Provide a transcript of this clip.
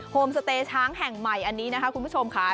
โฮมสเตย์ช้างแห่งใหม่อันนี้นะคะคุณผู้ชมค่ะ